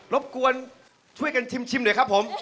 รบกวนช่วยกันชิมหน่อยครับผม